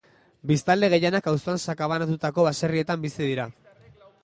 Biztanle gehienak auzoan sakabanatutako baserrietan bizi dira.